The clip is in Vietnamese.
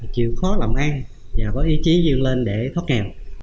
chịu khó làm ăn và có ý chí dương lên để thoát nghèo